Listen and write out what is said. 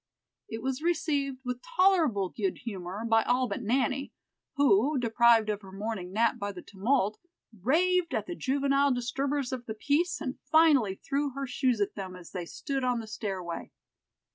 It was received with tolerable good humor by all but Nanny, who, deprived of her morning nap by the tumult, raved at the juvenile disturbers of the peace, and finally threw her shoes at them as they stood on the stairway.